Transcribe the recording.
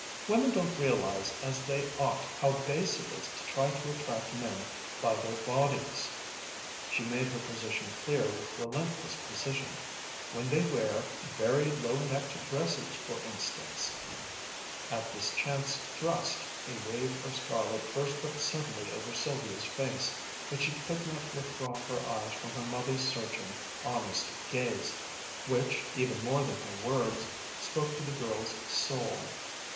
Women don't realize as they ought how base it is to try to attract men by their bodies," she made her position clear with relentless precision, "when they wear very low necked dresses, for instance " At this chance thrust, a wave of scarlet burst up suddenly over Sylvia's face, but she could not withdraw her eyes from her mother's searching, honest gaze, which, even more than her words, spoke to the girl's soul.